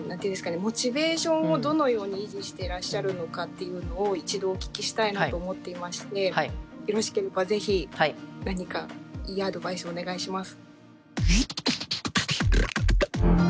モチベーションをどのように維持してらっしゃるのかっていうのを一度お聞きしたいなと思っていましてよろしければぜひ何かいいアドバイスをお願いします。